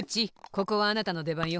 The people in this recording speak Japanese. ここはあなたのでばんよ。